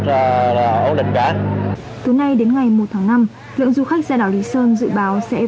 trước lượng du khách ra đảo lý sơn tăng cao được biến trong dịp lễ ba mươi tháng bốn và mùa một tháng năm